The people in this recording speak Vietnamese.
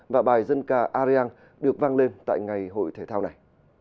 và bài dân ca ariang được vang lên tại ngày hội thể thao này